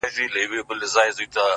اوس په لمانځه کي دعا نه کوم ښېرا کومه!!